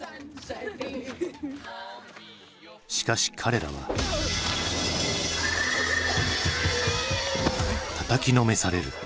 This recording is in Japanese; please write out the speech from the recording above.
しかし彼らは。たたきのめされる。